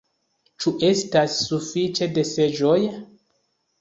Ĉu estas suﬁĉe de seĝoj?